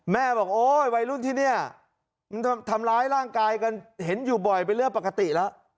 แม่บอกโอ๊ยวัยรุ่นที่นี่มันทำร้ายร่างกายกันเห็นอยู่บ่อยเป็นเรื่องปกติแล้ว